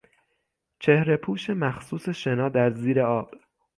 چهرهپوش مخصوص شنا در زیر آب